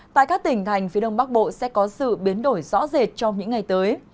tại các tỉnh thành phía đông bắc bộ sẽ có sự biến đổi rõ rệt trong những ngày tới